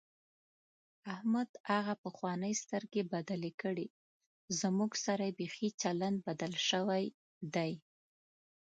احمد هغه پخوانۍ سترګې بدلې کړې، زموږ سره یې بیخي چلند بدل شوی دی.